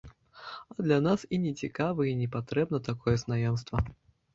А для нас і не цікава і не патрэбна такое знаёмства.